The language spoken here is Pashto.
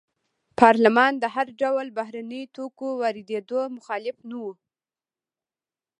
پارلمان د هر ډول بهرنیو توکو واردېدو مخالف نه و.